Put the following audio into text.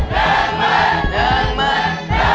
๑หมื่น